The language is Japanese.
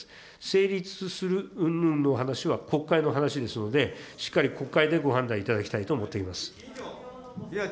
成立するうんぬんの話は国会の話ですので、しっかり国会でご判断いただきたいと思っています。